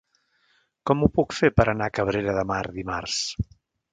Com ho puc fer per anar a Cabrera de Mar dimarts?